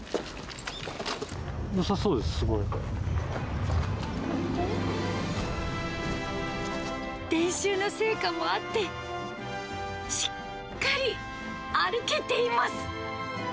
よさそうです、すごい。練習の成果もあって、しっかり歩けています。